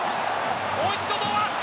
もう一度、堂安。